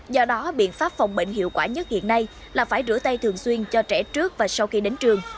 do đó biện pháp phòng bệnh hiệu quả nhất hiện nay là phải rửa tay thường xuyên cho trẻ trước và sau khi đến trường